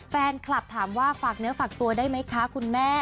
แฟนคลับถามว่าฝากเนื้อฝากตัวได้ไหมคะคุณแม่